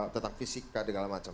tentang fisika dan segala macam